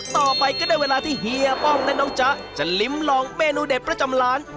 ต่อไปก็ได้เวลาที่เฮียป้องและน้องจ๊ะจะลิ้มลองเมนูเด็ดประจำร้าน